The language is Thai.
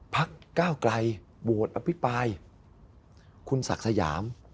พักก้าวไกลโหวตอภิปรายคุณศักดิ์สยาม